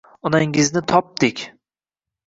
Onangizni topdik.